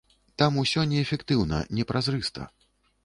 Там усё неэфектыўна, не празрыста.